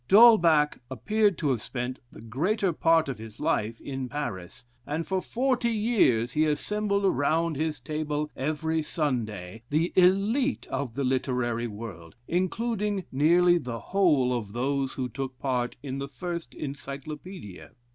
D'Holbach appeared to have spent the greater part of his life in Paris, and for forty years he assembled around his table, every Sunday, the elite of the literary world, including nearly the whole of those who took part in the first Encyclopedia.